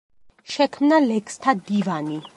შექმნა ლექსთა დივანი.